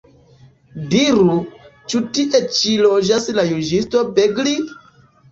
Diru, ĉu tie ĉi loĝas la juĝisto Begli?